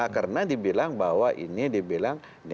karena dibilang bahwa ini dibilang ini